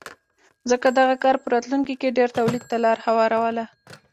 ځکه دغه کار په راتلونکې کې ډېر تولید ته لار هواروله